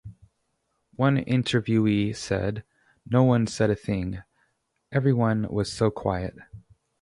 One interviewee said, No one said a thing, everyone was so quiet.